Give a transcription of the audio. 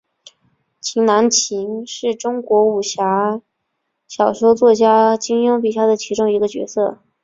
秦南琴是武侠小说作家金庸笔下的其中一个角色。